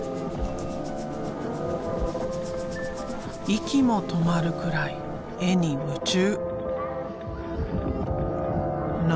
息も止まるくらい絵に夢中。